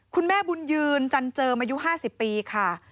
คุณแม่บุญยืนจันเจิมอายุ๕๐ปีค่ะ